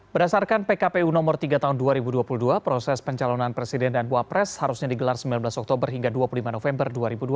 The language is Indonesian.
berdasarkan pkpu nomor tiga tahun dua ribu dua puluh dua proses pencalonan presiden dan wapres harusnya digelar sembilan belas oktober hingga dua puluh lima november dua ribu dua puluh